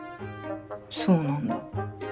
そうなんだ。